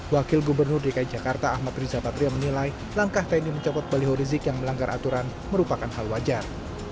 wakil gubernur dki jakarta ahmad riza patria menilai langkah tni mencopot baliho rizik yang melanggar aturan merupakan hal wajar